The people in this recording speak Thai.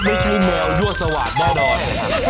ไม่ใช่แมวยั่วสวาดแน่นอน